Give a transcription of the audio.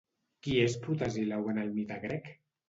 Qui és Protesilau en el mite grec?